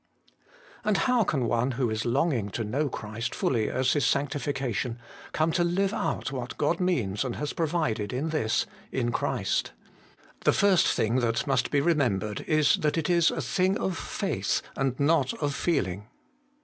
And how can one who is longing to know Christ fully as his sanctification, come to live out what God means and has provided in this ' in Christ '? The first thing that must be remembered is that it is a thing of faith and not of feeling.